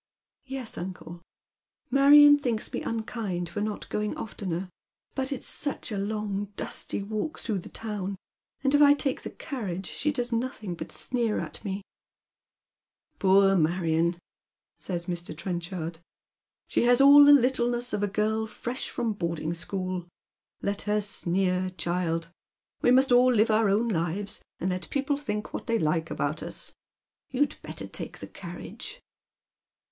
" Yes, uncle. Marion thinks me unkind for not going oftener. But it's such a long dusty walk through the town, and if I take tlie carriage she docs nothing but sneer at me." " Poor Marion," says Mr. Trenrh r.rd. " She has all the littleness 128 Dead Men's Shoi4. of a ^rl fresh from boarding school. liet lier sneer, child. \Vq must all live our own lives, and let people think what they like about us. You'd better take the carriage."